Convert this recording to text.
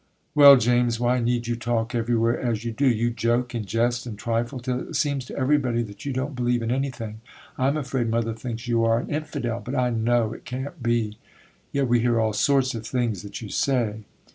'Well, James, why need you talk everywhere as you do? You joke, and jest, and trifle, till it seems to everybody that you don't believe in anything. I'm afraid mother thinks you are an infidel, but I know it can't be; yet we hear all sorts of things that you say.